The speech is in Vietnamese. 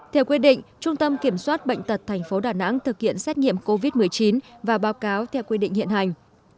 theo quyết định trung tâm kiểm soát bệnh tật tp đà nẵng thực hiện xét nghiệm covid một mươi chín và báo cáo theo quy định hiện hành